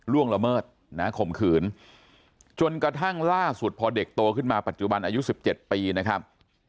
ละเมิดนะข่มขืนจนกระทั่งล่าสุดพอเด็กโตขึ้นมาปัจจุบันอายุ๑๗ปีนะครับ